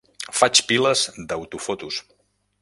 Faig piles d'autofotos.